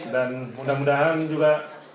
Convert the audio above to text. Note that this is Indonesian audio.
dan mudah mudahan juga